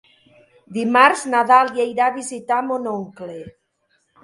Dimarts na Dàlia irà a visitar mon oncle.